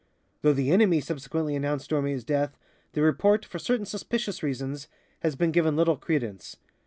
Though the enemy subsequently announced Dormé's death, the report, for certain suspicious reasons, has been given little credence.